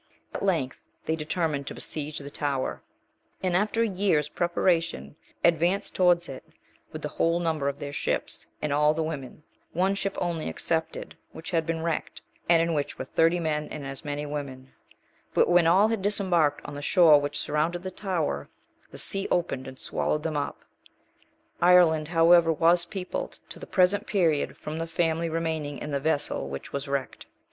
At length they determined to besiege the tower; and after a year's preparation, advanced towards it, with the whole number of their ships, and all the women, one ship only excepted, which had been wrecked, and in which were thirty men, and as many women; but when all had disembarked on the shore which surrounded the tower, the sea opened and swallowed them up. Ireland, however, was peopled, to the present period, from the family remaining in the vessel which was wrecked.